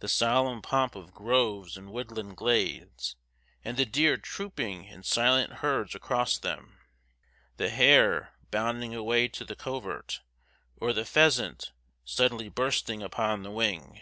The solemn pomp of groves and woodland glades, with the deer trooping in silent herds across them; the hare, bounding away to the covert; or the pheasant, suddenly bursting upon the wing.